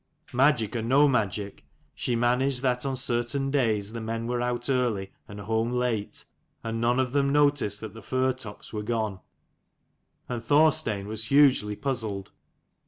Magic or no magic, she managed that on certain days the in men were out early and home late, and none of them noticed [that the fir tops were gone : and Thorstein was hugely puzzled.